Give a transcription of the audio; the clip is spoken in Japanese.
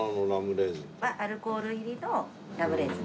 アルコール入りのラムレーズンです。